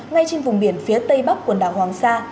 ngay trên vùng biển phía tây bắc quần đảo hoàng sa